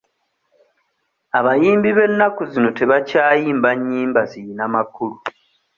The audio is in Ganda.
Abayimbi b'ennaku zino tebakyayimba nnyimba ziyina makulu.